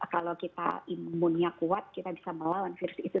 kalau kita imunnya kuat kita bisa melawan virus itu